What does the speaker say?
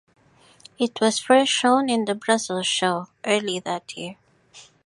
It was first shown at the Brussels Show, early that year.